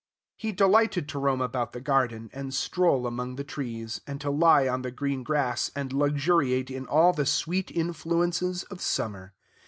He delighted to roam about the garden, and stroll among the trees, and to lie on the green grass and luxuriate in all the sweet influences of summer.